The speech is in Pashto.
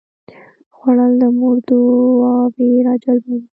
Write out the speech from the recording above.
خوړل د مور دعاوې راجلبوي